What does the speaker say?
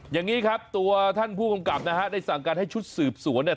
อย่างนี้ครับตัวท่านผู้กำกับนะฮะได้สั่งการให้ชุดสืบสวนเนี่ย